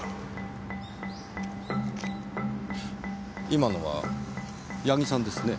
今のは矢木さんですね。